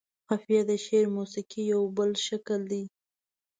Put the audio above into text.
قافيه د شعر موسيقۍ يو بل شکل دى.